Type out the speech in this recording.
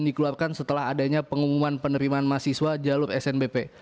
dan dikeluarkan setelah adanya pengumuman penerimaan mahasiswa jalur snbp